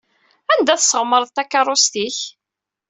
Anda tesɣemreḍ takeṛṛust-ik?